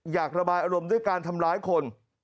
อยากระบายอารมณ์ด้วยการทำร้ายคน